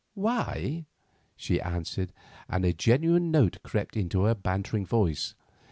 "Why?" she answered, and a genuine note crept into her bantering voice.